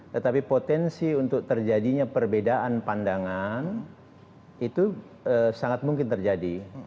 tetapi potensi untuk terjadinya perbedaan pandangan itu sangat mungkin terjadi